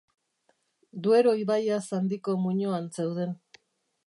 Duero ibaiaz handiko muinoan zeuden.